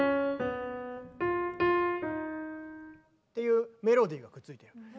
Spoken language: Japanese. っていうメロディーがくっついてる。